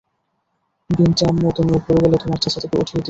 বিন্তি আম্মু, তুমি ঊপরে গেলে, তোমার চাচাকে উঠিয়ে দিও।